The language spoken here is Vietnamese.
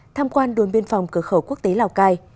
tham quan đồn biên phòng cửa khẩu quốc tế lào cai